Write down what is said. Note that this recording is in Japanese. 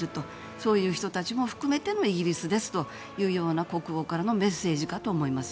そういう人たちも含めてのイギリスですというような国王からのメッセージかと思います。